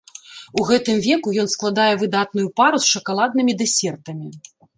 У гэтым веку ён складае выдатную пару з шакаладнымі дэсертамі.